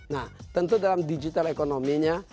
nah tentu dalam digital economy nya